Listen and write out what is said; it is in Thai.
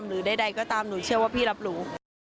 หรือใดก็ตามหนูเชื่อว่าพี่รับรู้